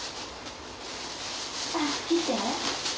あっ来て。